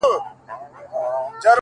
يې ياره شرموه مي مه ته هرڅه لرې ياره ـ